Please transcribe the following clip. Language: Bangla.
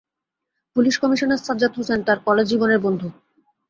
পুলিশ কমিশনার সাজ্জাদ হোসেন তাঁর কলেজ জীবনের বন্ধু।